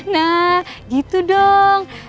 nah gitu dong